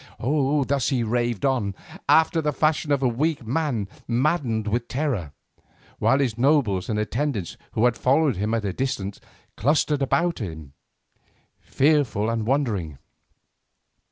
Thus he raved on, after the fashion of a weak man maddened with terror, while his nobles and attendants who had followed him at a distance, clustered about him, fearful and wondering.